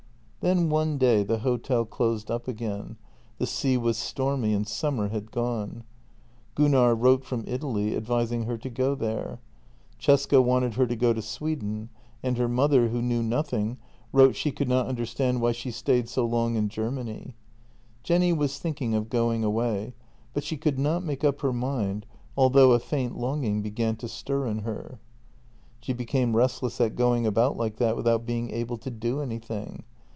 Then one day the hotel closed up again, the sea was stormy, and summer had gone. Gunnar wrote from Italy, advising her to go there. Cesca wanted her to go to Sweden, and her mother, who knew noth ing, wrote she could not understand why she stayed so long in Germany. Jenny was thinking of going away, but she could not make up her mind, although a faint longing began to stir in her. She became restless at going about like that without being able to do anything.